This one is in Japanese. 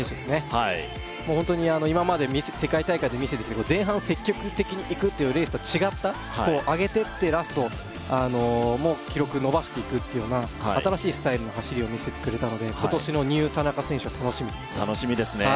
はいホントに今まで世界大会で見せてきた前半積極的に行くというレースと違った上げてってラストも記録伸ばしていくっていうような新しいスタイルの走りを見せてくれたので今年のニュー田中選手は楽しみですね